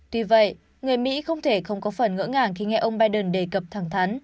tuy vậy người mỹ không thể không có phần ngỡ ngàng khi nghe ông biden đề cập thẳng thắn